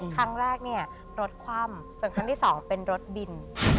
ครั้งแรกรถคว่ำส่วนทั้งที่๒เป็นรถบิน